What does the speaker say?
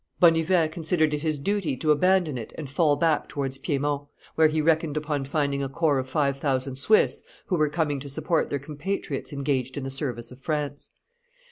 Bonnivet considered it his duty to abandon it and fall back towards Piedmont, where he reckoned upon finding a corps of five thousand Swiss who were coming to support their compatriots engaged in the service of France.